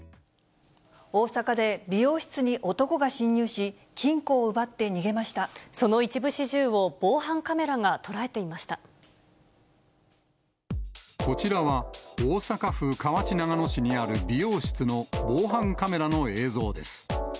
大阪で美容室に男が侵入し、その一部始終を防犯カメラがこちらは、大阪府河内長野市にある美容室の防犯カメラの映像です。